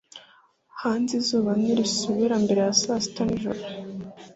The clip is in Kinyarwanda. hanze izuba ntirisubira mbere ya saa sita z'ijoro